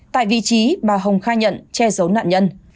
tại vị trí bà hồng khai nhận che giấu nạn nhân